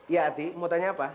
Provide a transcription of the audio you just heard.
ya ati mau tanya apa